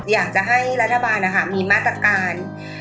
อยากจะให้รัฐบาลมีมาตรการ